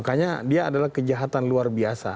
makanya dia adalah kejahatan luar biasa